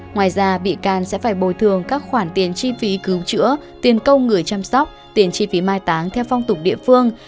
ngoài ra bị can sẽ phải bồi thường các khoản tiền chi phí cứu chữa tiền công người chăm sóc tiền chi phí mai táng theo phong tục địa phương